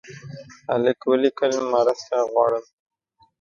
هلک ولیکل مرسته غواړم.